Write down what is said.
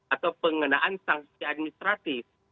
atau pengenaan sanksi administratif